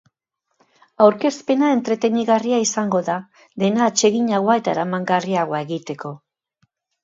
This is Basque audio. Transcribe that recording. Aurkezpena entretenigarria izango da, dena atseginagoa eta eramangarriagoa egiteko.